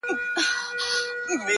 ستا جدايۍ ته به شعرونه ليکم ـ